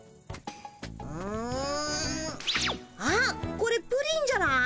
あっこれプリンじゃない？